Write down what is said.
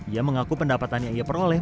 ia mengaku pendapatannya ia peroleh